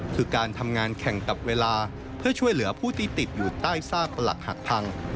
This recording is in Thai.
คือการทำงานแข่งกับเวลาเพื่อช่วยเหลือผู้ที่ติดอยู่ใต้ซากประหลักหักพัง